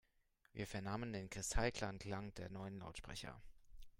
Wir vernahmen den kristallklaren Klang der neuen Lautsprecher.